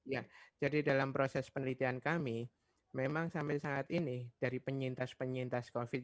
ya jadi dalam proses penelitian kami memang sampai saat ini dari penyintas penyintas covid sembilan belas